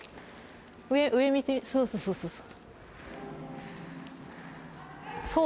上見て、そうそうそう。